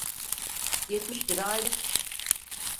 Yetmiş lira aylık…